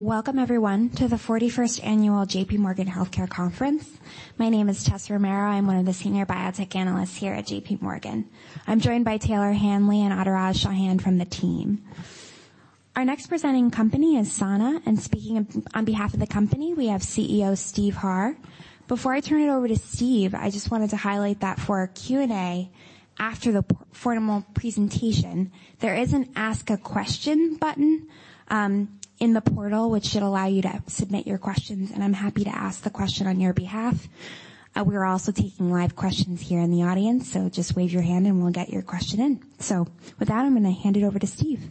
Welcome everyone to the 41st annual JPMorgan Healthcare Conference. My name is Tessa Romero. I'm one of the senior biotech analysts here at JPMorgan. I'm joined by Taylor Hanley and Raj Shah from the team. Our next presenting company is Sana. Speaking on behalf of the company, we have CEO Steve Harr. Before I turn it over to Steve, I just wanted to highlight that for our Q&A after the formal presentation, there is an Ask a Question button in the portal, which should allow you to submit your questions, and I'm happy to ask the question on your behalf. We're also taking live questions here in the audience. Just wave your hand, and we'll get your question in. With that, I'm gonna hand it over to Steve.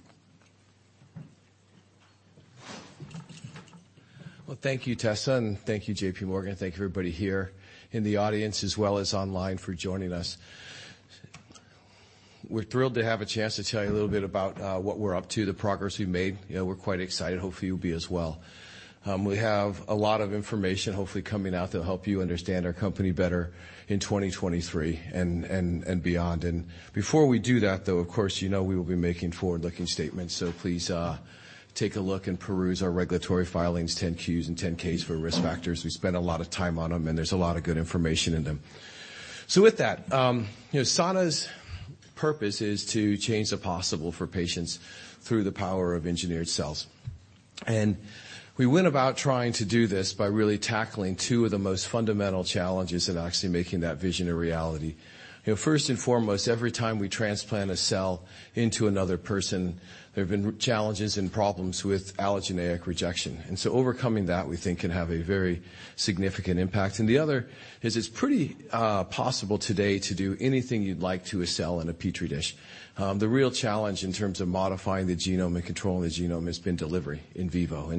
Well, thank you, Tessa and thank you, JPMorgan. Thank you, everybody here in the audience as well as online for joining us. We're thrilled to have a chance to tell you a little bit about what we're up to, the progress we've made. You know, we're quite excited. Hopefully, you'll be as well. We have a lot of information, hopefully coming out that'll help you understand our company better in 2023 and beyond. Before we do that, though, of course, you know we will be making forward-looking statements, so please take a look and peruse our regulatory filings, Form 10-Q, and Form 10-K for risk factors. We spend a lot of time on them, and there's a lot of good information in them. With that, you know, Sana's purpose is to change the possible for patients through the power of engineered cells. We went about trying to do this by really tackling two of the most fundamental challenges and actually making that vision a reality. First and foremost, every time we transplant a cell into another person, there have been challenges and problems with allogeneic rejection. Overcoming that, we think, can have a very significant impact. The other is it's pretty possible today to do anything you'd like to a cell in a petri dish. The real challenge in terms of modifying the genome and controlling the genome has been delivery in vivo.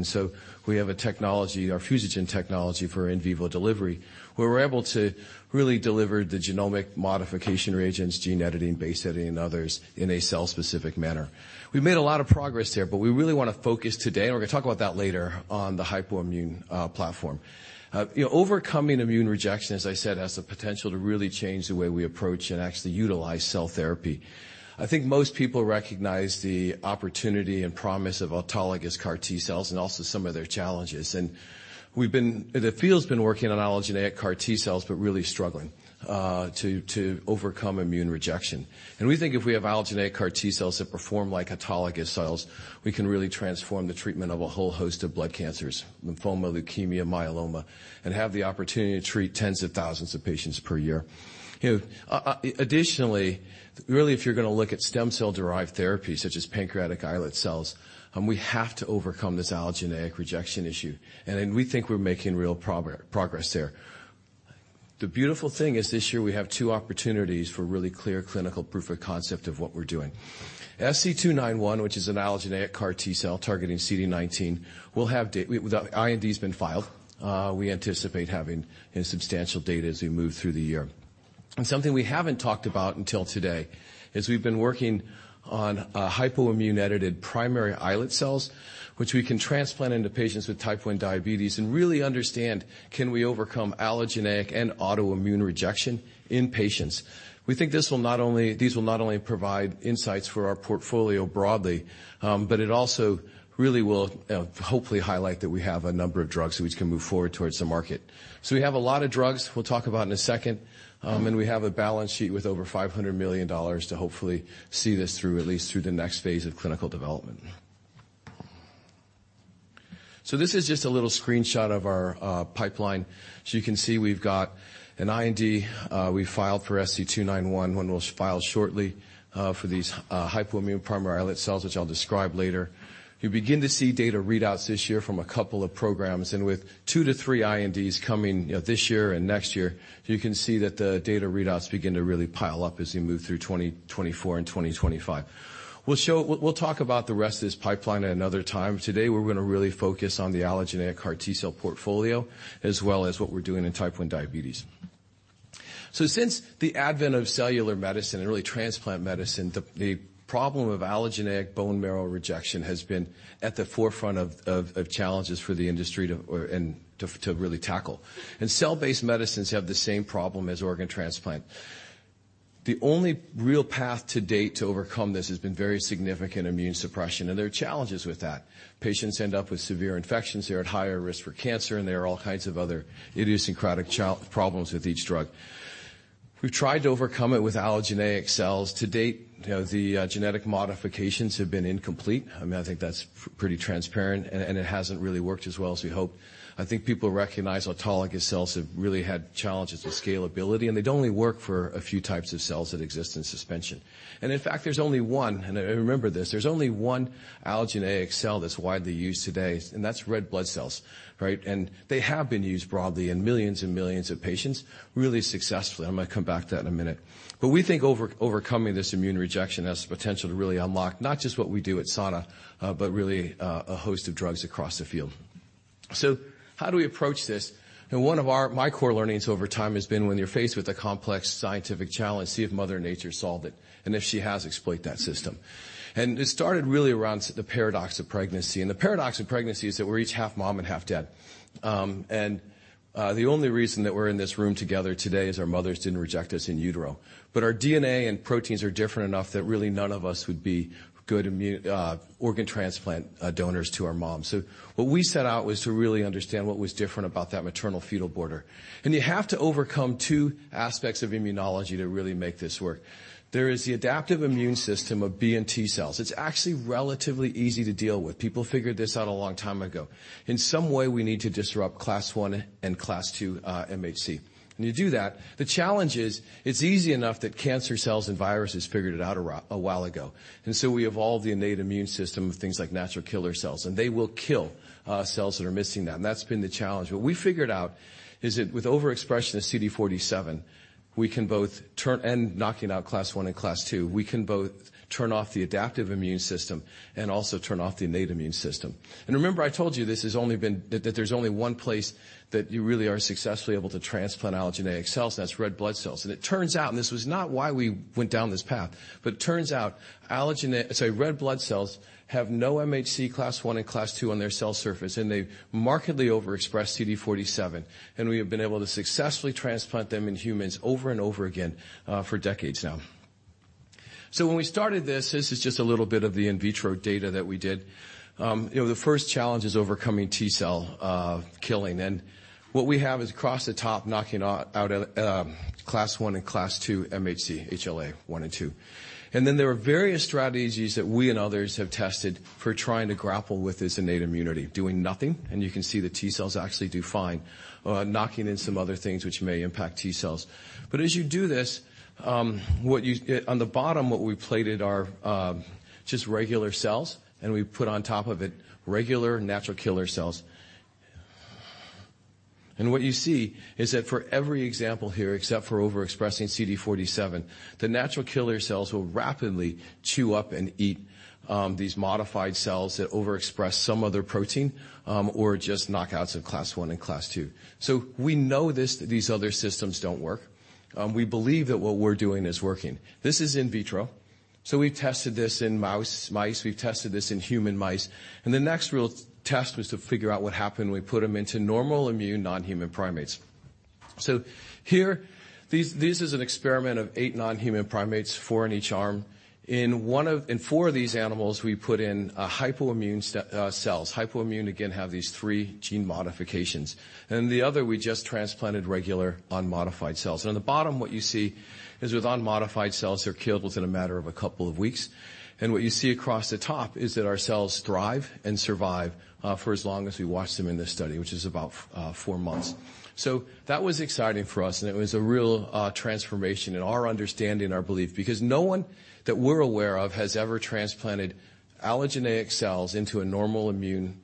We have a technology, our Fusogen technology for in vivo delivery, where we're able to really deliver the genomic modification reagents, gene editing, base editing, and others in a cell-specific manner. We've made a lot of progress there, we really wanna focus today, and we're gonna talk about that later on the hypoimmune platform. You know, overcoming immune rejection, as I said, has the potential to really change the way we approach and actually utilize cell therapy. I think most people recognize the opportunity and promise of autologous CAR T-cells and also some of their challenges. The field's been working on allogeneic CAR T-cells, but really struggling to overcome immune rejection. We think if we have allogeneic CAR T-cells that perform like autologous cells, we can really transform the treatment of a whole host of blood cancers, lymphoma, leukemia, myeloma, and have the opportunity to treat tens of thousands of patients per year. You know, additionally, really, if you're gonna look at stem cell-derived therapies such as pancreatic islet cells, we have to overcome this allogeneic rejection issue, and then we think we're making real progress there. The beautiful thing is this year we have two opportunities for really clear clinical proof of concept of what we're doing. SC291, which is an allogeneic CAR T-cell targeting CD19, will have the IND's been filed. We anticipate having a substantial data as we move through the year. Something we haven't talked about until today is we've been working on hypoimmune edited primary islet cells, which we can transplant into patients with type 1 diabetes and really understand, can we overcome allogeneic and autoimmune rejection in patients? We think these will not only provide insights for our portfolio broadly, but it also really will hopefully highlight that we have a number of drugs which can move forward towards the market. We have a lot of drugs we'll talk about in a second, and we have a balance sheet with over $500 million to hopefully see this through at least through the next phase of clinical development. This is just a little screenshot of our pipeline. You can see we've got an IND, we filed for SC291. One was filed shortly for these hypoimmune primary islet cells, which I'll describe later. You begin to see data readouts this year from a couple of programs. With two to three INDs coming, you know, this year and next year, you can see that the data readouts begin to really pile up as we move through 2024 and 2025. We'll talk about the rest of this pipeline at another time. Today, we're gonna really focus on the allogeneic CAR T-cell portfolio as well as what we're doing in type 1 diabetes. Since the advent of cellular medicine and really transplant medicine, the problem of allogeneic bone marrow rejection has been at the forefront of challenges for the industry to or, and to really tackle. Cell-based medicines have the same problem as organ transplant. The only real path to date to overcome this has been very significant immune suppression, and there are challenges with that. Patients end up with severe infections. They're at higher risk for cancer, and there are all kinds of other idiosyncratic problems with each drug. We've tried to overcome it with allogeneic cells. To date, you know, the genetic modifications have been incomplete. I mean, I think that's pretty transparent, and it hasn't really worked as well as we hoped. I think people recognize autologous cells have really had challenges with scalability, and they'd only work for a few types of cells that exist in suspension. In fact, there's only one and I remember this, there's only one allogeneic cell that's widely used today, and that's red blood cells, right? They have been used broadly in millions and millions of patients really successfully. I'm gonna come back to that in a minute. We think overcoming this immune rejection has the potential to really unlock not just what we do at Sana, but really a host of drugs across the field. How do we approach this? One of my core learnings over time has been when you're faced with a complex scientific challenge, see if Mother Nature solved it, and if she has, exploit that system. It started really around the paradox of pregnancy. The paradox of pregnancy is that we're each half mom and half dad. The only reason that we're in this room together today is our mothers didn't reject us in utero. Our DNA and proteins are different enough that really none of us would be good immune organ transplant donors to our moms. What we set out was to really understand what was different about that maternal fetal border. You have to overcome two aspects of immunology to really make this work. There is the adaptive immune system of B and T cells. It's actually relatively easy to deal with. People figured this out a long time ago. In some way, we need to disrupt class one and class two MHC. When you do that, the challenge is it's easy enough that cancer cells and viruses figured it out a while ago. We evolved the innate immune system of things like natural killer cells, and they will kill cells that are missing that, and that's been the challenge. What we figured out is that with overexpression of CD47, we can both turn and knocking out class one and class two, we can both turn off the adaptive immune system and also turn off the innate immune system. Remember I told you this has only been that there's only one place that you really are successfully able to transplant allogeneic cells, and that's red blood cells. It turns out, and this was not why we went down this path, but it turns out sorry, red blood cells have no MHC class one and class two on their cell surface, and they markedly overexpress CD47. We have been able to successfully transplant them in humans over and over again, for decades now. When we started this is just a little bit of the in vitro data that we did. You know, the first challenge is overcoming T cell killing. What we have is across the top, knocking out class one and class two MHC, HLA 1 and 2. Then there are various strategies that we and others have tested for trying to grapple with this innate immunity. Doing nothing, and you can see the T cells actually do fine. Knocking in some other things which may impact T cells. As you do this, on the bottom, what we plated are just regular cells, and we put on top of it regular natural killer cells. What you see is that for every example here, except for overexpressing CD47, the natural killer cells will rapidly chew up and eat these modified cells that overexpress some other protein, or just knockouts of class one and class two. We know this, these other systems don't work. We believe that what we're doing is working. This is in vitro. We tested this in mice. We've tested this in human mice. The next real test was to figure out what happened when we put them into normal immune non-human primates. Here, these is an experiment of eight non-human primates, four in each arm. In four of these animals, we put in a hypoimmune cells. Hypoimmune, again, have these three gene modifications. The other, we just transplanted regular unmodified cells. On the bottom, what you see is with unmodified cells, they're killed within a matter of a couple of weeks. What you see across the top is that our cells thrive and survive for as long as we watched them in this study which is about four months. That was exciting for us, and it was a real transformation in our understanding and our belief because no one that we're aware of has ever transplanted allogeneic cells into a normal immune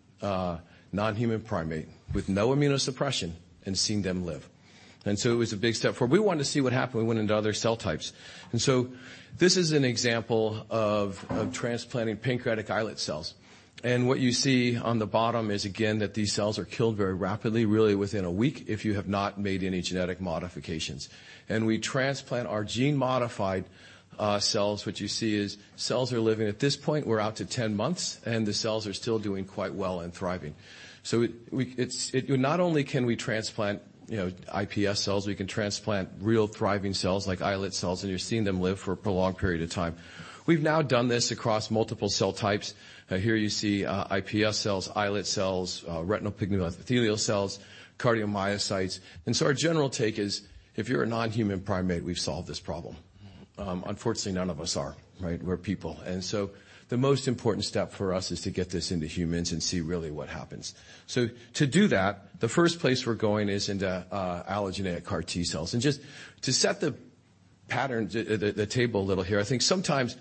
non-human primate with no immunosuppression and seen them live. It was a big step. We wanted to see what happened when we went into other cell types. This is an example of transplanting pancreatic islet cells. What you see on the bottom is, again, that these cells are killed very rapidly, really within one week, If you have not made any genetic modifications. We transplant our gene-modified cells. What you see is cells are living. At this point, we're out to 10 months, and the cells are still doing quite well and thriving. Not only can we transplant, you know, iPS cells, we can transplant real thriving cells like islet cells, and you're seeing them live for a prolonged period of time. We've now done this across multiple cell types. Here you see iPS cells, islet cells, retinal pigment epithelial cells, cardiomyocytes. Our general take is if you're a non-human primate, we've solved this problem. Unfortunately, none of us are, right? We're people. The most important step for us is to get this into humans and see really what happens. To do that, the first place we're going is into allogeneic CAR T cells. Just to set the pattern, the table a little here, I think sometimes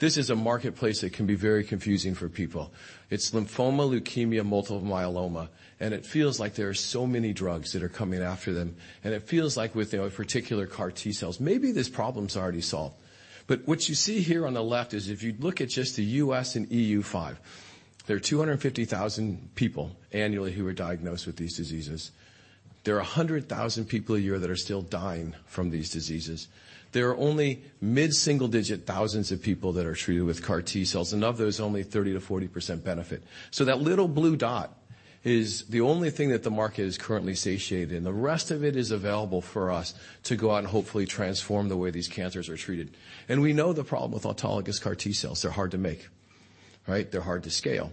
this is a marketplace that can be very confusing for people. It's lymphoma, leukemia, multiple myeloma, and it feels like there are so many drugs that are coming after them. It feels like with, you know, particular CAR T cells, maybe this problem's already solved. What you see here on the left is if you look at just the U.S. and E.U. five, there are 250,000 people annually who are diagnosed with these diseases. There are 100,000 people a year that are still dying from these diseases. There are only mid-single-digit thousands of people that are treated with CAR T cells, and of those, only 30%-40% benefit. That little blue dot is the only thing that the market is currently satiated and the rest of it is available for us to go out and hopefully transform the way these cancers are treated. We know the problem with autologous CAR T cells. They're hard to make, right? They're hard to scale.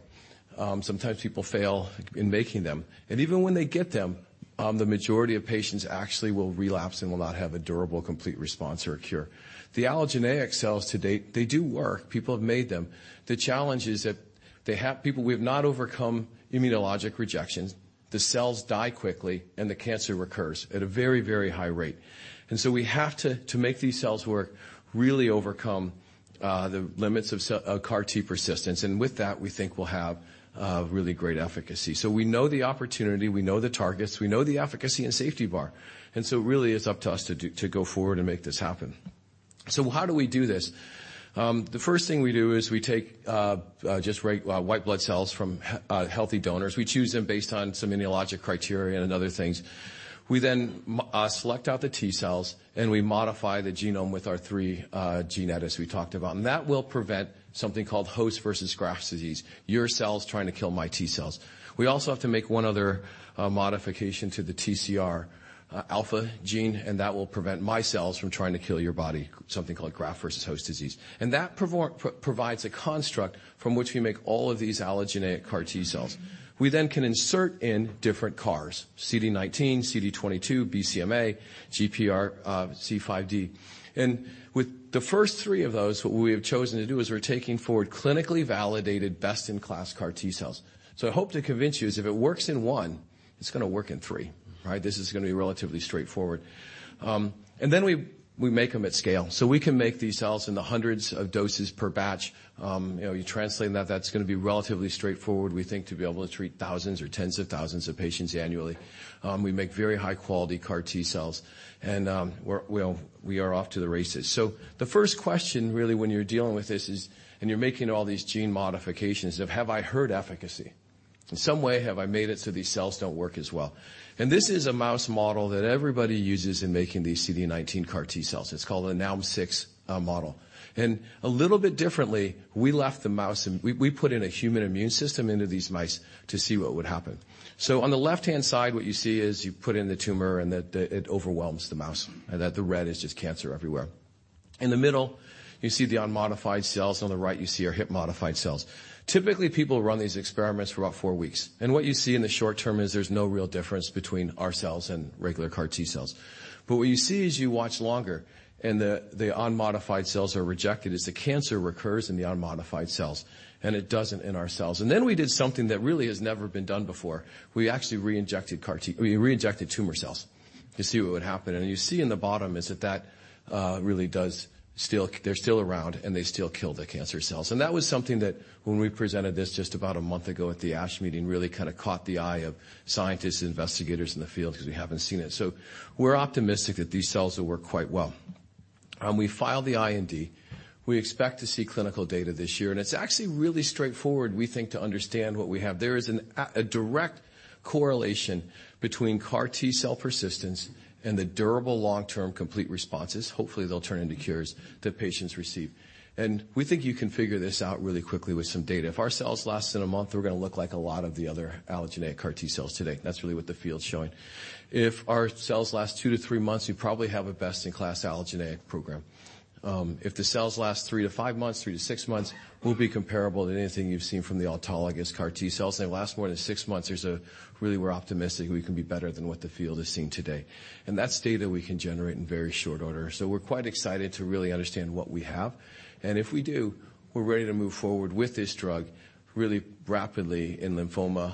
Sometimes people fail in making them. Even when they get them, the majority of patients actually will relapse and will not have a durable, complete response or a cure. The allogeneic cells to date, they do work. People have made them. The challenge is that we have not overcome immunologic rejections. The cells die quickly, and the cancer recurs at a very high rate. We have to make these cells work, really overcome the limits of CAR T persistence. With that, we think we'll have really great efficacy. We know the opportunity, we know the targets, we know the efficacy and safety bar. Really, it's up to us to go forward and make this happen. How do we do this? The first thing we do is we take just white blood cells from healthy donors. We choose them based on some immunologic criteria and other things. We then select out the T cells, and we modify the genome with our three gene edits we talked about. That will prevent something called host-versus-graft disease, your cells trying to kill my T cells. We also have to make one other modification to the TCR alpha gene. That will prevent my cells from trying to kill your body, something called graft-versus-host disease. That provides a construct from which we make all of these allogeneic CAR T cells. We then can insert in different CARs, CD19, CD22, BCMA, GPRC5D. With the first three of those, what we have chosen to do is we're taking forward clinically validated best-in-class CAR T cells. I hope to convince you is if it works in one, it's gonna work in three, right? This is gonna be relatively straightforward. Then we make them at scale. We can make these cells in the hundreds of doses per batch. You know, you translate that's going to be relatively straightforward, we think, to be able to treat thousands or tens of thousands of patients annually. We make very high-quality CAR T cells, we are off to the races. The first question really when you're dealing with this is, you're making all these gene modifications of have I heard efficacy? In some way, have I made it so these cells don't work as well? This is a mouse model that everybody uses in making these CD19 CAR T cells. It's called a Nalm-6 model. A little bit differently, we put in a human immune system into these mice to see what would happen. On the left-hand side, what you see is you put in the tumor, and it overwhelms the mouse, and that the red is just cancer everywhere. In the middle, you see the unmodified cells. On the right, you see our HIP-modified cells. Typically, people run these experiments for about four weeks. What you see in the short term is there's no real difference between our cells and regular CAR T cells. What you see as you watch longer, and the unmodified cells are rejected, is the cancer recurs in the unmodified cells, and it doesn't in our cells. Then we did something that really has never been done before. We actually reinjected tumor cells to see what would happen. You see in the bottom is that that really does still they're still around, and they still kill the cancer cells. That was something that when we presented this just about a month ago at the ASH meeting really kind of caught the eye of scientists and investigators in the field 'cause we haven't seen it. We're optimistic that these cells will work quite well. We filed the IND. We expect to see clinical data this year. It's actually really straightforward, we think, to understand what we have. There is a direct correlation between CAR T-cell persistence and the durable long-term complete responses, hopefully they'll turn into cures, that patients receive. We think you can figure this out really quickly with some data. If our cells last in a month, we're gonna look like a lot of the other allogeneic CAR T cells today. That's really what the field's showing. If our cells last two-three months, we probably have a best-in-class allogeneic program. If the cells last three-five months, three-six months, we'll be comparable to anything you've seen from the autologous CAR T cells. They last more than six months, there's really we're optimistic we can be better than what the field is seeing today. That's data we can generate in very short order. We're quite excited to really understand what we have. If we do, we're ready to move forward with this drug really rapidly in lymphoma,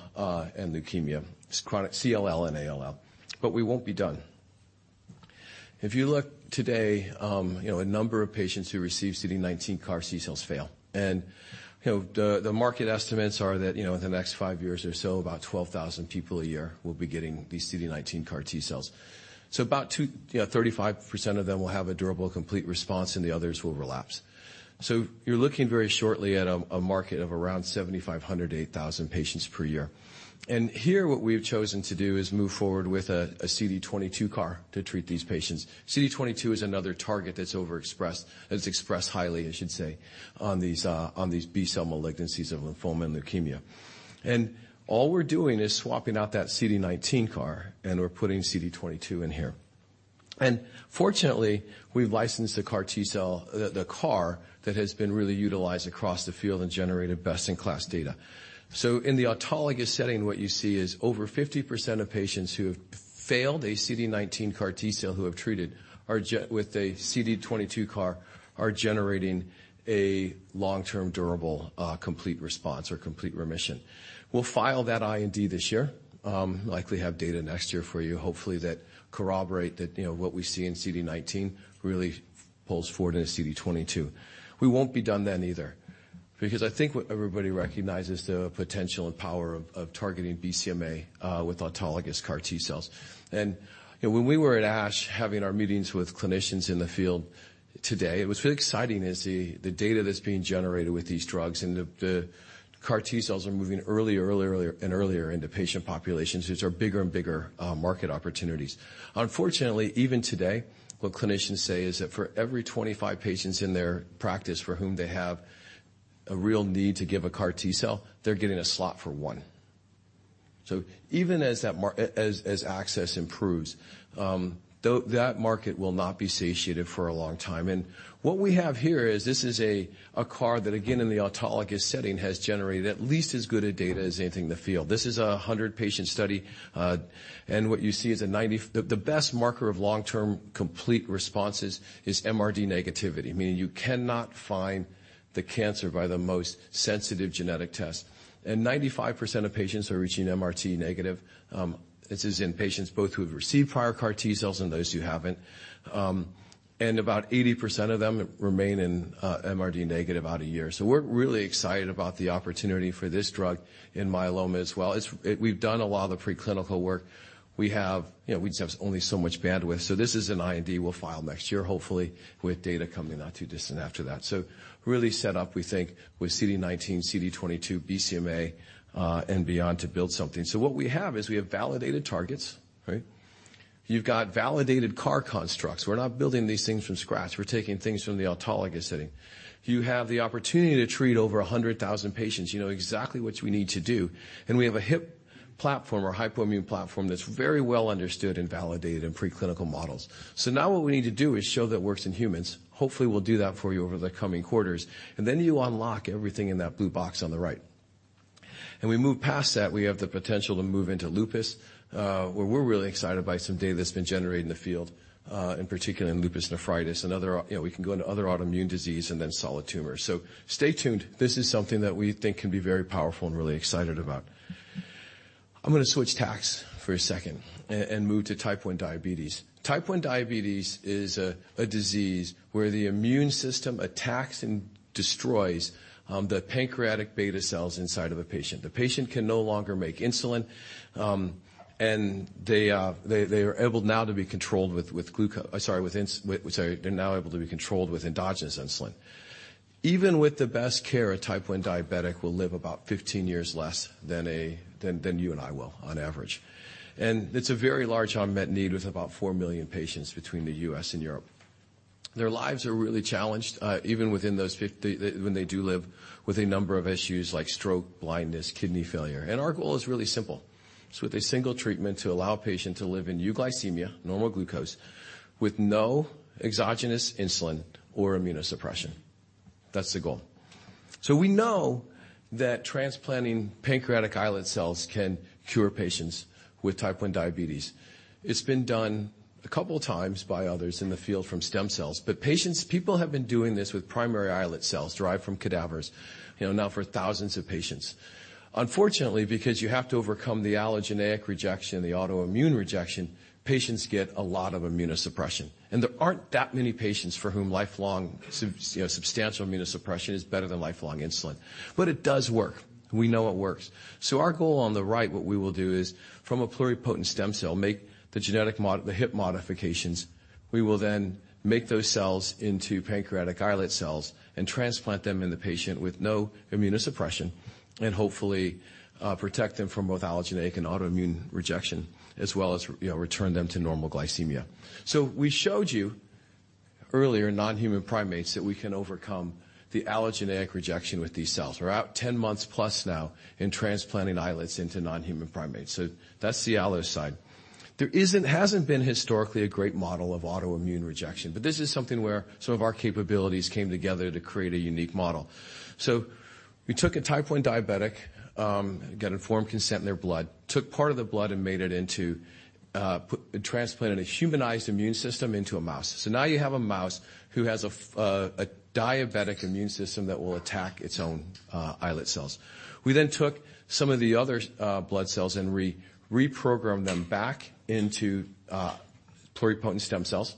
and leukemia, chronic CLL and ALL. We won't be done. If you look today, you know, a number of patients who receive CD19 CAR T cells fail. You know, the market estimates are that, you know, in the next five years or so, about 12,000 people a year will be getting these CD19 CAR T cells. You know, 35% of them will have a durable complete response, and the others will relapse. You're looking very shortly at a market of around 7,500-8,000 patients per year. Here what we've chosen to do is move forward with a CD22 CAR to treat these patients. CD22 is another target that's overexpressed, that's expressed highly, I should say, on these on these B-cell malignancies of lymphoma and leukemia. All we're doing is swapping out that CD19 CAR, and we're putting CD22 in here. Fortunately, we've licensed a CAR T cell, the CAR that has been really utilized across the field and generated best-in-class data. In the autologous setting, what you see is over 50% of patients who have failed a CD19 CAR T cell who have treated with a CD22 CAR are generating a long-term durable complete response or complete remission. We'll file that IND this year, likely have data next year for you, hopefully that corroborate that, you know, what we see in CD19 really pulls forward into CD22. We won't be done then either because I think what everybody recognizes the potential and power of targeting BCMA with autologous CAR T cells. You know, when we were at ASH having our meetings with clinicians in the field today, it was really exciting to see the data that's being generated with these drugs and the CAR T cells are moving earlier and earlier into patient populations, which are bigger and bigger market opportunities. Unfortunately, even today, what clinicians say is that for every 25 patients in their practice for whom they have a real need to give a CAR T cell, they're getting a slot for one. Even as that as access improves, that market will not be satiated for a long time. What we have here is this is a CAR that, again, in the autologous setting has generated at least as good a data as anything in the field. This is a 100-patient study, what you see is the best marker of long-term complete responses is MRD negativity, meaning you cannot find the cancer by the most sensitive genetic test. 95% of patients are reaching MRD negative, this is in patients both who have received prior CAR T cells and those who haven't. About 80% of them remain in MRD negative out a year. We're really excited about the opportunity for this drug in myeloma as well. We've done a lot of the preclinical work. We have, you know, we just have only so much bandwidth. This is an IND we'll file next year, hopefully with data coming not too distant after that. Really set up, we think, with CD19, CD22, BCMA, and beyond to build something. What we have is we have validated targets, right? You've got validated CAR constructs. We're not building these things from scratch. We're taking things from the autologous setting. You have the opportunity to treat over 100,000 patients. You know exactly what you need to do. We have a HIP platform or hypoimmune platform that's very well understood and validated in preclinical models. Now what we need to do is show that it works in humans. Hopefully, we'll do that for you over the coming quarters. You unlock everything in that blue box on the right. We move past that, we have the potential to move into lupus, where we're really excited by some data that's been generated in the field, in particular in lupus nephritis and other. You know, we can go into other autoimmune disease and then solid tumors. Stay tuned. This is something that we think can be very powerful and really excited about. I'm gonna switch tacks for a second and move to type 1 diabetes. Type 1 diabetes is a disease where the immune system attacks and destroys the pancreatic beta cells inside of a patient. The patient can no longer make insulin, and they are able now to be controlled with endogenous insulin. Even with the best care, a type 1 diabetic will live about 15 years less than a, than you and I will on average. It's a very large unmet need with about 4 million patients between the U.S. and Europe. Their lives are really challenged, even within those when they do live with a number of issues like stroke, blindness, kidney failure. Our goal is really simple. It's with a single treatment to allow a patient to live in euglycemia, normal glucose, with no exogenous insulin or immunosuppression. That's the goal. We know that transplanting pancreatic islet cells can cure patients with type one diabetes. It's been done a couple times by others in the field from stem cells. People have been doing this with primary islet cells derived from cadavers, you know, now for thousands of patients. Unfortunately, because you have to overcome the allogeneic rejection, the autoimmune rejection, patients get a lot of immunosuppression. There aren't that many patients for whom lifelong, you know, substantial immunosuppression is better than lifelong insulin. It does work. We know it works. Our goal on the right, what we will do is from a pluripotent stem cell, make the genetic the HIP modifications. We will then make those cells into pancreatic islet cells and transplant them in the patient with no immunosuppression and hopefully, protect them from both allogeneic and autoimmune rejection, as well as, you know, return them to normal glycemia. We showed you earlier in non-human primates that we can overcome the allogeneic rejection with these cells. We're out 10 months plus now in transplanting islets into non-human primates. That's the allo side. There hasn't been historically a great model of autoimmune rejection, but this is something where some of our capabilities came together to create a unique model. We took a type 1 diabetic, got informed consent in their blood, took part of the blood and made it into, transplanted a humanized immune system into a mouse. Now you have a mouse who has a diabetic immune system that will attack its own, islet cells. We then took some of the other, blood cells and reprogrammed them back into, pluripotent stem cells.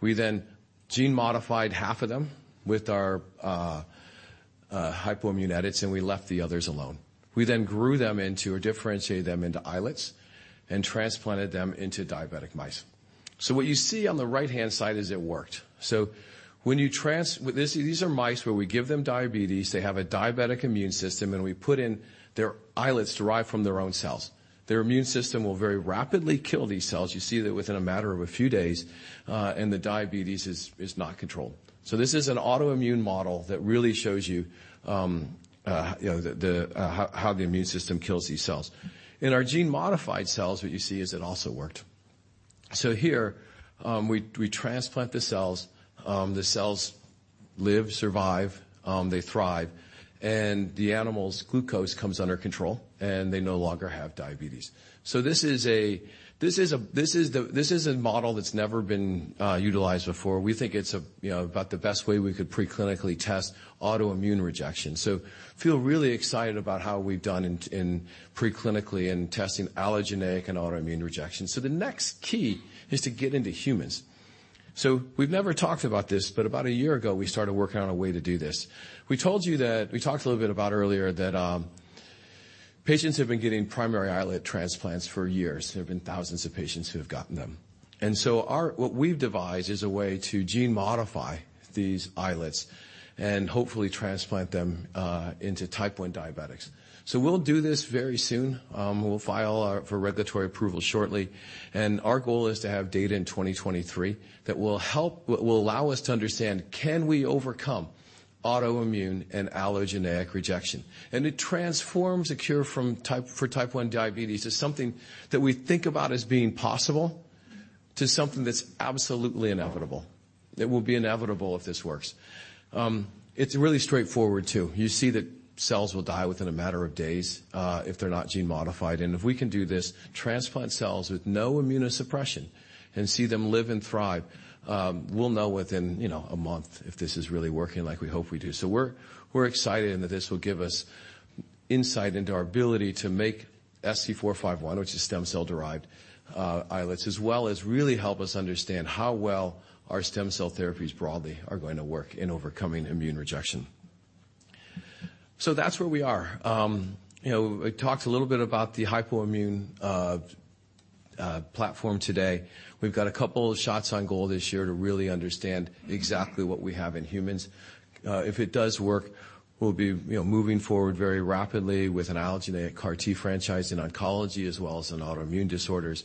We then gene-modified half of them with our, hypoimmune edits, and we left the others alone. We then grew them into or differentiated them into islets and transplanted them into diabetic mice. What you see on the right-hand side is it worked. When you With this, these are mice where we give them diabetes, they have a diabetic immune system, and we put in their islets derived from their own cells. Their immune system will very rapidly kill these cells. You see that within a matter of a few days, and the diabetes is not controlled. This is an autoimmune model that really shows you know, the how the immune system kills these cells. In our gene-modified cells, what you see is it also worked. Here, we transplant the cells, the cells live, survive, they thrive, and the animal's glucose comes under control, and they no longer have diabetes. This is a model that's never been utilized before. We think it's a, you know, about the best way we could preclinically test autoimmune rejection. Feel really excited about how we've done preclinically in testing allogeneic and autoimmune rejection. The next key is to get into humans. We've never talked about this, but about a year ago, we started working on a way to do this. We talked a little bit about earlier that patients have been getting primary islet transplants for years. There have been thousands of patients who have gotten them. Our what we've devised is a way to gene modify these islets and hopefully transplant them into type 1 diabetics. We'll do this very soon. We'll file our for regulatory approval shortly. Our goal is to have data in 2023 that will allow us to understand can we overcome autoimmune and allogeneic rejection. It transforms a cure for type 1 diabetes as something that we think about as being possible to something that's absolutely inevitable. It will be inevitable if this works. It's really straightforward too. You see that cells will die within a matter of days, if they're not gene-modified. If we can do this, transplant cells with no immunosuppression and see them live and thrive, we'll know within, you know, a month if this is really working like we hope we do. We're, we're excited that this will give us insight into our ability to make SC451, which is stem cell-derived, islets, as well as really help us understand how well our stem cell therapies broadly are going to work in overcoming immune rejection. That's where we are. You know, it talks a little bit about the hypoimmune platform today. We've got a couple of shots on goal this year to really understand exactly what we have in humans. If it does work, we'll be, you know, moving forward very rapidly with an allogeneic CAR T franchise in oncology as well as in autoimmune disorders.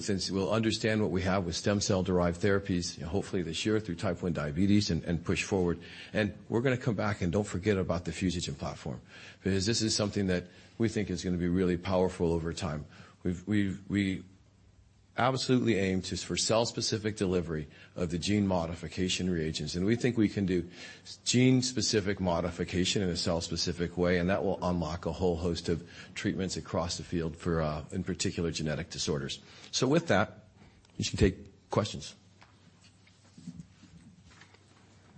Since we'll understand what we have with stem cell-derived therapies, hopefully this year through type 1 diabetes and push forward. We're gonna come back, and don't forget about the Fusogen platform. Because this is something that we think is gonna be really powerful over time. We absolutely aim for cell-specific delivery of the gene modification reagents, and we think we can do gene-specific modification in a cell-specific way, and that will unlock a whole host of treatments across the field for, in particular, genetic disorders. With that, we should take questions.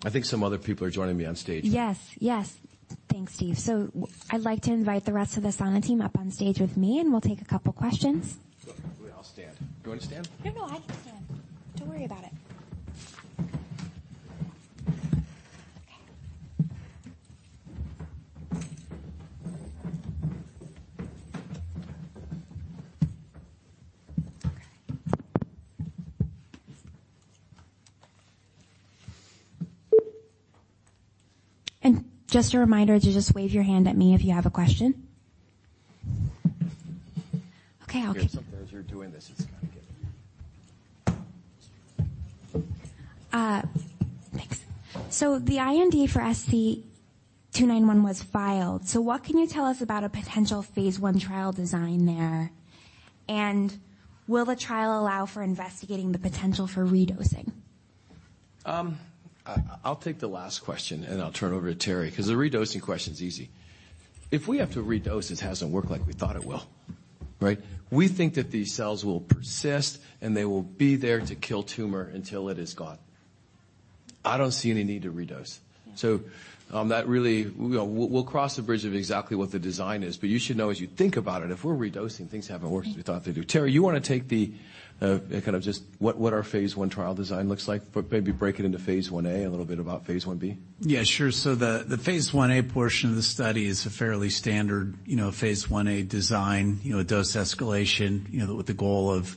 I think some other people are joining me on stage. Yes, yes. Thanks, Steve. I'd like to invite the rest of the Sana team up on stage with me and we'll take a couple questions. We all stand. Do you want to stand? No, no, I can stand. Don't worry about it. Okay. Okay. Just a reminder to just wave your hand at me if you have a question. As you're doing this, it's kind of getting. Thanks. The IND for SC291 was filed. What can you tell us about a potential phase I trial design there? Will the trial allow for investigating the potential for redosing? I'll take the last question and then I'll turn it over to Terry 'cause the redosing question's easy. If we have to re-dose, it hasn't worked like we thought it will. Right? We think that these cells will persist, and they will be there to kill tumor until it is gone. I don't see any need to re-dose. You know, we'll cross the bridge of exactly what the design is. You should know as you think about it, if we're redosing, things haven't worked as we thought they do. Terry, you wanna take the kind of just what our phase I trial design looks like, but maybe break it into phase Ia, a little bit about phase Ib? Yeah, sure. The phase Ia portion of the study is a fairly standard, you know, phase Ia design, you know, dose escalation, you know, with the goal of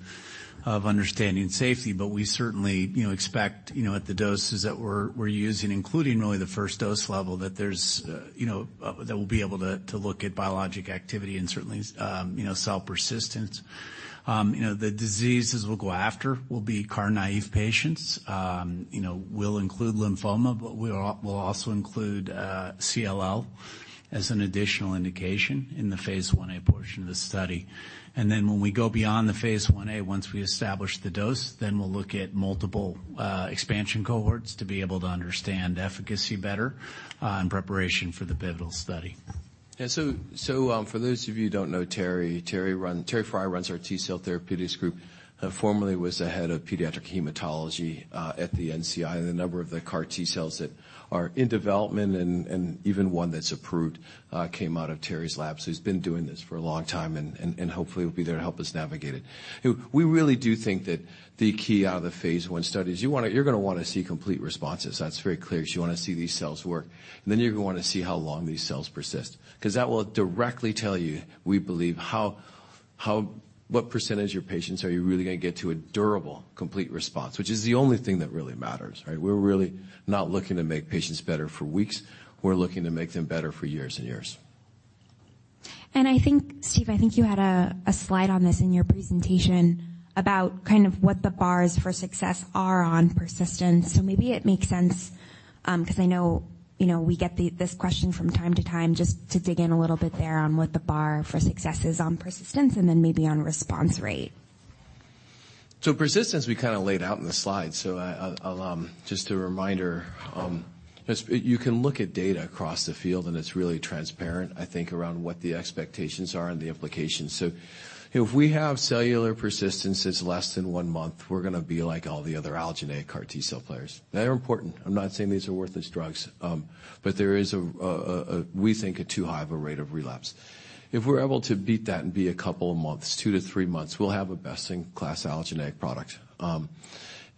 understanding safety. We certainly, you know, expect, you know, at the doses that we're using, including really the first dose level, that there's, you know, that we'll be able to look at biologic activity and certainly, you know, cell persistence. You know, the diseases we'll go after will be CAR naive patients. You know, we'll include lymphoma, we'll also include CLL as an additional indication in the phase Ia portion of the study. When we go beyond the phase Ia, once we establish the dose, we'll look at multiple expansion cohorts to be able to understand efficacy better in preparation for the pivotal study. For those of you who don't know, Terry Fry runs our T-cell therapeutics group, formerly was the head of pediatric hematology at the NCI. The number of the CAR T-cells that are in development and even one that's approved came out of Terry's lab. He's been doing this for a long time and hopefully will be there to help us navigate it. We really do think that the key out of the phase I study is you're gonna wanna see complete responses. That's very clear, is you wanna see these cells work. You're gonna wanna see how long these cells persist 'cause that will directly tell you, we believe, how. What % of your patients are you really gonna get to a durable complete response which is the only thing that really matters, right? We're really not looking to make patients better for weeks. We're looking to make them better for years and years. I think, Steve, you had a slide on this in your presentation about kind of what the bars for success are on persistence. Maybe it makes sense, 'cause I know, you know, we get this question from time to time just to dig in a little bit there on what the bar for success is on persistence and then maybe on response rate. Persistence we kind of laid out in the slide. Just a reminder. You can look at data across the field, and it's really transparent, I think, around what the expectations are and the implications. You know, if we have cellular persistence that's less than one month, we're gonna be like all the other allogeneic CAR T-cell players. They're important. I'm not saying these are worthless drugs. But there is a, we think, a too high of a rate of relapse. If we're able to beat that and be a couple of months, two-three months, we'll have a best-in-class allogeneic product.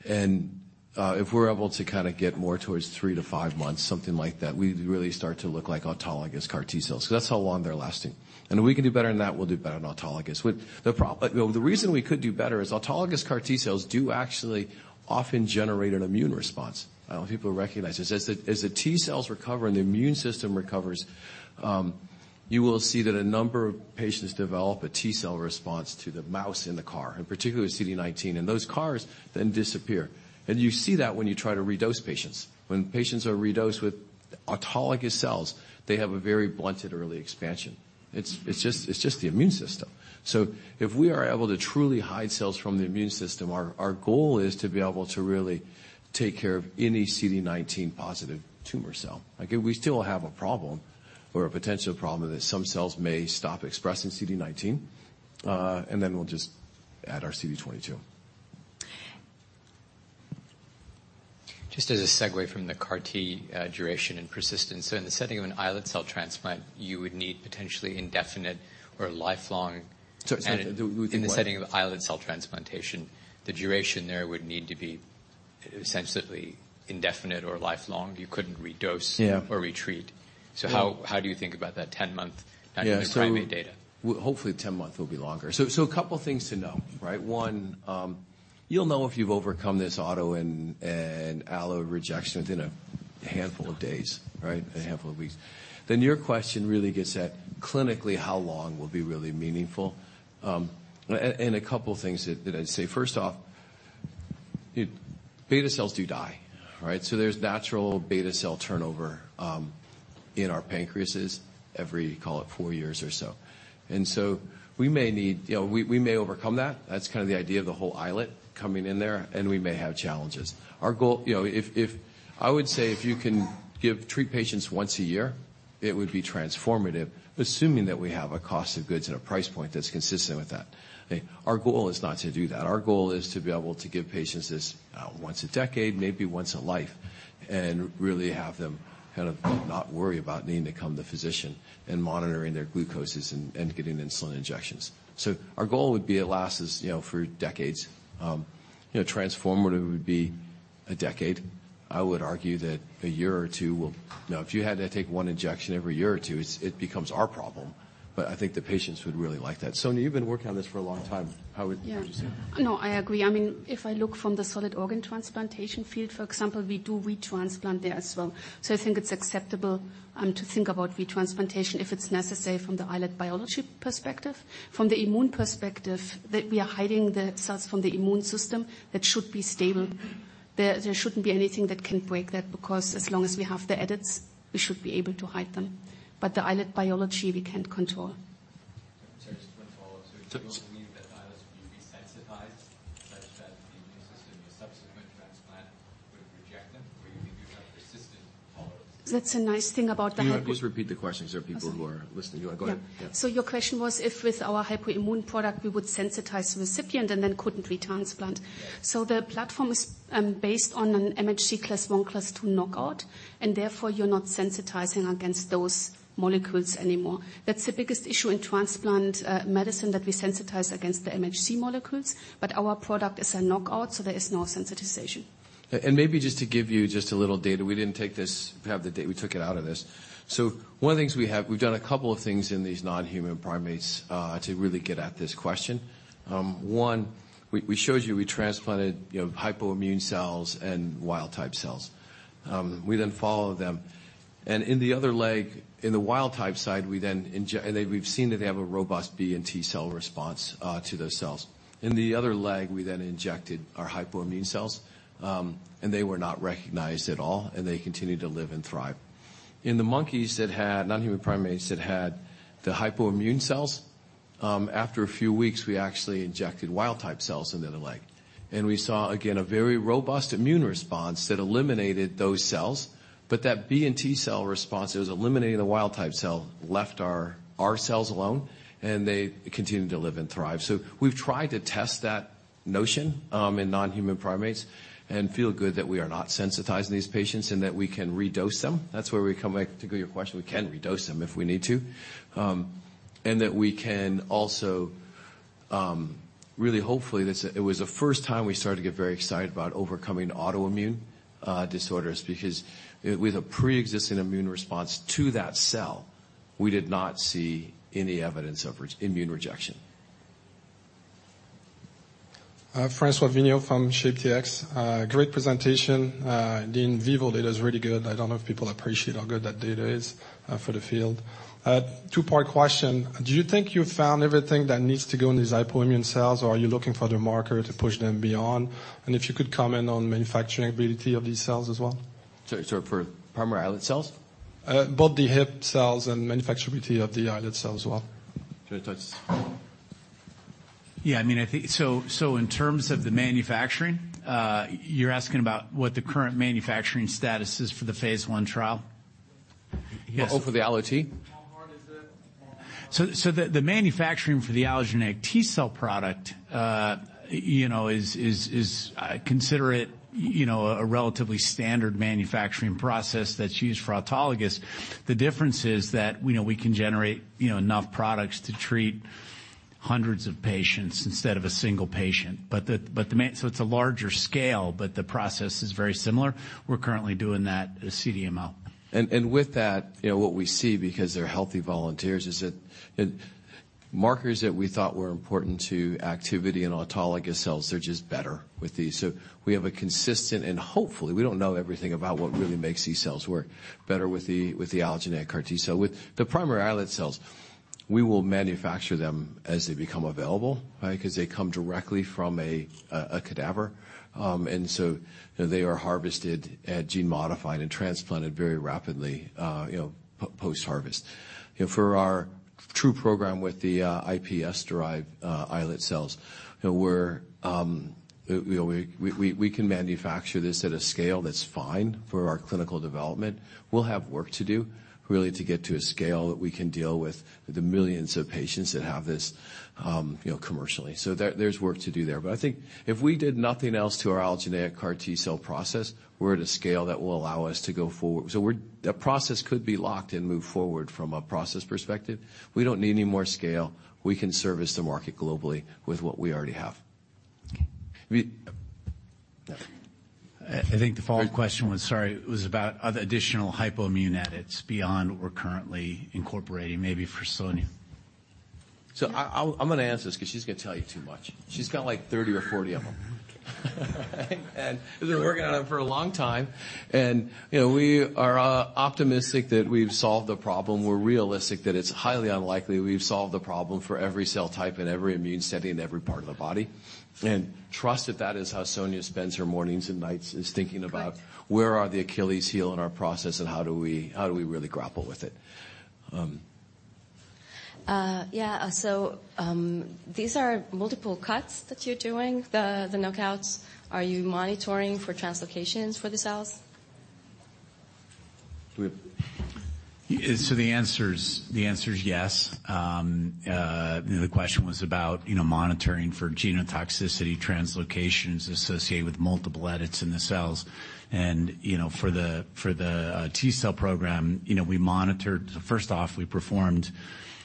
And if we're able to kind of get more towards three-five months, something like that, we'd really start to look like autologous CAR T-cells, 'cause that's how long they're lasting. If we can do better than that, we'll do better than autologous. You know, the reason we could do better is autologous CAR T-cells do actually often generate an immune response. I don't know if people recognize this. As the T-cells recover and the immune system recovers, you will see that a number of patients develop a T-cell response to the mouse and the CAR, in particular CD19, and those CARs then disappear. You see that when you try to redose patients. When patients are redosed with autologous cells, they have a very blunted early expansion. It's just the immune system. If we are able to truly hide cells from the immune system, our goal is to be able to really take care of any CD19 positive tumor cell. Again, we still have a problem or a potential problem that some cells may stop expressing CD19 and then we'll just add our CD22. Just as a segue from the CAR T, duration and persistence. In the setting of an islet cell transplant, you would need potentially indefinite or lifelong? Sorry. With what? In the setting of islet cell transplantation, the duration there would need to be essentially indefinite or lifelong. You couldn't re-dose or re-treat. How do you think about that 10-month kind of the primary data? Hopefully the 10-month will be longer. A couple things to know, right? One, you'll know if you've overcome this auto and allo rejection within a handful of days, right? A handful of weeks. Your question really gets at clinically how long will be really meaningful. A couple things that I'd say. First off, beta cells do die, right? There's natural beta cell turnover in our pancreases every, call it four years or so. You know, we may overcome that. That's kinda the idea of the whole islet coming in there, and we may have challenges. Our goal you know, I would say if you can treat patients once a year, it would be transformative assuming that we have a cost of goods and a price point that's consistent with that. Our goal is not to do that. Our goal is to be able to give patients this once a decade, maybe once in life and really have them kind of not worry about needing to come to the physician and monitoring their glucoses and getting insulin injections. Our goal would be it lasts, you know, for decades. You know, transformative would be a decade. I would argue that a year or two. You know, if you had to take one injection every year or two, it becomes our problem. I think the patients would really like that. Sonja, you've been working on this for a long time. How would, what would you say? No, I agree. I mean, if I look from the solid organ transplantation field, for example, we do retransplant there as well. I think it's acceptable to think about re-transplantation if it's necessary from the islet biology perspective. From the immune perspective, that we are hiding the cells from the immune system, that should be stable. There shouldn't be anything that can break that because as long as we have the edits, we should be able to hide them. The islet biology we can't control. Sorry, just one follow-up. You don't believe that islets will be desensitized such that the immune system in a subsequent transplant would reject them or you believe you have persistent follow-ups? That's a nice thing about the hypo. Can you please repeat the question because there are people who are listening. You wanna go ahead? Yeah. Your question was if with our hypoimmune product we would sensitize the recipient and then couldn't re-transplant. The platform is based on an MHC class one, class two knockout, and therefore you're not sensitizing against those molecules anymore. That's the biggest issue in transplant medicine, that we sensitize against the MHC molecules. Our product is a knockout, so there is no sensitization. Maybe just to give you just a little data. We took it out of this. We've done a couple of things in these non-human primates to really get at this question. One, we showed you, we transplanted, you know, hypoimmune cells and wild-type cells. We then follow them. In the other leg, in the wild-type side, and then we've seen that they have a robust B and T cell response to those cells. In the other leg, we then injected our hypoimmune cells, and they were not recognized at all, and they continued to live and thrive. In the monkeys non-human primates that had the hypoimmune cells, after a few weeks, we actually injected wild-type cells into their leg. We saw, again, a very robust immune response that eliminated those cells. That B and T cell response that was eliminating the wild-type cell left our cells alone, and they continued to live and thrive. We've tried to test that notion in non-human primates and feel good that we are not sensitizing these patients and that we can redose them. That's where we come back to your question. We can redose them if we need to. That we can also. It was the first time we started to get very excited about overcoming autoimmune disorders because with a preexisting immune response to that cell, we did not see any evidence of immune rejection. François Vigneault from Shape Therapeutics. Great presentation. The in vivo data is really good. I don't know if people appreciate how good that data is, for the field. Two-part question. Do you think you've found everything that needs to go in these hypoimmune cells, or are you looking for the marker to push them beyond? If you could comment on manufacturing ability of these cells as well. Sorry, for primary islet cells? Both the HIP cells and manufacturability of the islet cells as well. Do you wanna touch this? I mean, I think in terms of the manufacturing, you're asking about what the current manufacturing status is for the phase I trial? Yes. Oh, for the Allogeneic T? How hard is it? The manufacturing for the Allogeneic T-cell product, you know, is, you know, a relatively standard manufacturing process that's used for autologous. The difference is that, you know, we can generate, you know, enough products to treat hundreds of patients instead of a single patient. It's a larger scale, but the process is very similar. We're currently doing that a CDMO. With that, you know, what we see, because they're healthy volunteers, is that markers that we thought were important to activity in autologous cells, they're just better with these. We have a consistent, and hopefully, we don't know everything about what really makes these cells work better with the allogeneic CAR T-cell. With the primary islet cells, we will manufacture them as they become available, right? Because they come directly from a cadaver. They are harvested, gene modified and transplanted very rapidly, you know, post-harvest. You know, for our True program with the iPSC-derived islet cells. You know, we're. You know, we can manufacture this at a scale that's fine for our clinical development. We'll have work to do really to get to a scale that we can deal with the millions of patients that have this, you know, commercially. There's work to do there. I think if we did nothing else to our allogeneic CAR T-cell process, we're at a scale that will allow us to go forward. The process could be locked and move forward from a process perspective. We don't need any more scale. We can service the market globally with what we already have. Okay. I think the follow-up question was. Sorry. It was about other additional hypoimmune edits beyond what we're currently incorporating, maybe for Sonja. I'm gonna answer this 'cause she's gonna tell you too much. She's got like 30 or 40 of them. We've been working on them for a long time, and, you know, we are optimistic that we've solved the problem. We're realistic that it's highly unlikely we've solved the problem for every cell type and every immune setting in every part of the body. Trust that that is how Sonja spends her mornings and nights is thinking about. Where are the Achilles' heel in our process and how do we really grapple with it? Yeah, these are multiple cuts that you're doing, the knockouts. Are you monitoring for translocations for the cells? So the answer is yes. The question was about, you know, monitoring for genotoxicity translocations associated with multiple edits in the cells. You know, for the T-cell program, you know, First off, we performed,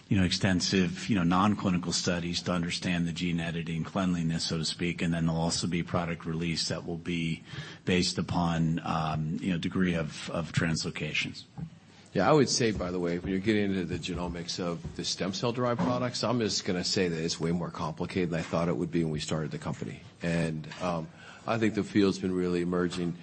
you know, extensive, you know, non-clinical studies to understand the gene editing cleanliness, so to speak, and then there'll also be product release that will be based upon, you know, degree of translocations. Yeah. I would say, by the way, when you're getting into the genomics of the stem cell-derived products, I'm just gonna say that it's way more complicated than I thought it would be when we started the company. I think the field's been really emerging,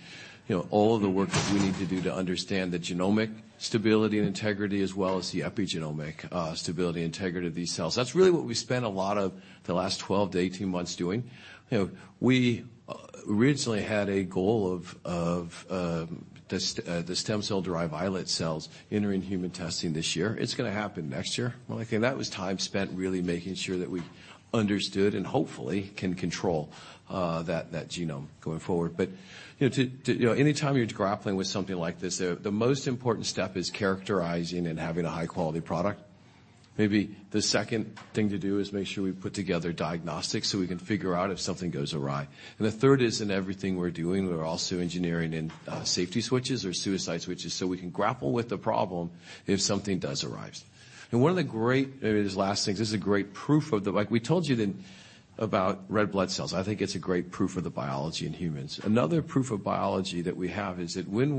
you know, all of the work that we need to do to understand the genomic stability and integrity as well as the epigenomic stability and integrity of these cells. That's really what we spent a lot of the last 12 to 18 months doing. You know, we originally had a goal of the stem cell-derived islet cells entering human testing this year. It's gonna happen next year. Well, again, that was time spent really making sure that we understood and hopefully can control that genome going forward. You know, anytime you're grappling with something like this, the most important step is characterizing and having a high-quality product. Maybe the second thing to do is make sure we put together diagnostics, so we can figure out if something goes awry. The third is, in everything we're doing, we're also engineering in safety switches or suicide switches, so we can grapple with the problem if something does arise. Maybe these last things. This is a great proof of the, like we told you then about red blood cells. I think it's a great proof of the biology in humans. Another proof of biology that we have is that when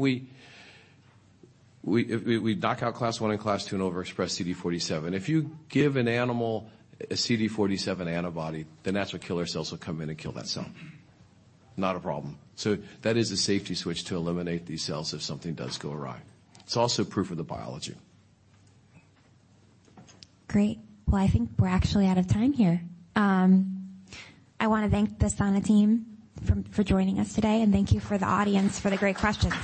we knock out class one and class two and overexpress CD47, if you give an animal a CD47 antibody, the natural killer cells will come in and kill that cell. Not a problem. That is a safety switch to eliminate these cells if something does go awry. It's also proof of the biology. Great. Well, I think we're actually out of time here. I wanna thank the Sana team for joining us today, and thank you for the audience for the great questions.